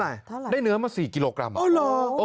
เท่าไหร่เท่าไหร่ได้เนื้อมาสี่กิโลกรัมอ๋อเหรออ๋อ